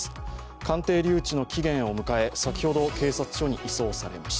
鑑定留置の期限を迎え、先ほど、警察署に移送されました。